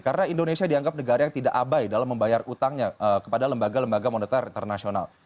karena indonesia dianggap negara yang tidak abai dalam membayar utangnya kepada lembaga lembaga moneter internasional